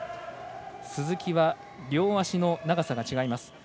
鈴木は両足の長さが違います。